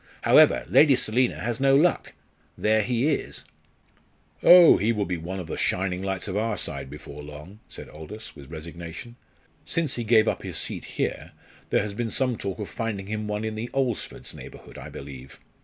However, Lady Selina has no luck! there he is." "Oh! he will be one of the shining lights of our side before long," said Aldous, with resignation. "Since he gave up his seat here, there has been some talk of finding him one in the Alresfords' neighbourhood, I believe.